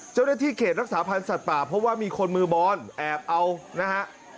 เจ้าหน้าที่เขตรักษาพันธ์สัตว์ป่าเพราะว่ามีคนมือบอลแอบเอานะฮะ